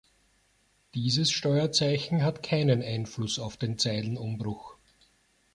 Dieses Steuerzeichen hat keinen Einfluss auf den Zeilenumbruch.